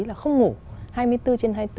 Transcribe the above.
là không ngủ hai mươi bốn trên hai mươi bốn